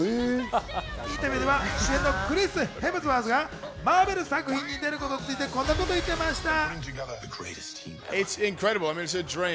インタビューでは主役のクリス・ヘムズワーズがマーベル作品に出ることについて、こんなことを言っていました。